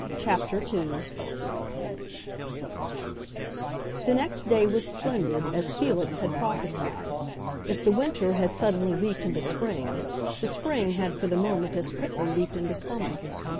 CHAPTER II The next day was splendid, as Felix had prophesied; if the winter had suddenly leaped into spring, the spring had for the moment as quickly leaped into summer.